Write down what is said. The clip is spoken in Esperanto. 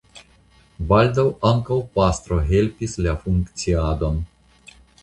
Baldaŭ ankaŭ pastro helpis la funkciadon.